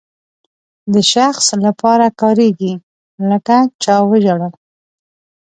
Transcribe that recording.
د شخص لپاره کاریږي لکه چا وژړل.